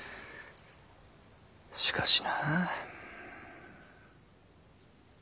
しかしな。